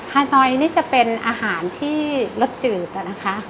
ฮานอยด์นี่จะเป็นอาหารที่รสจืด